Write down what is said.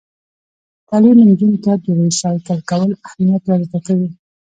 تعلیم نجونو ته د ریسایکل کولو اهمیت ور زده کوي.